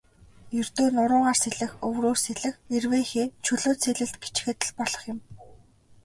Ердөө нуруугаар сэлэх, өврөөр сэлэх, эрвээхэй, чөлөөт сэлэлт гэчихэд л болох юм.